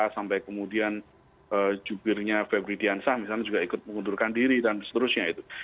sampai kemudian jubirnya febri diansah misalnya juga ikut mengundurkan diri dan seterusnya itu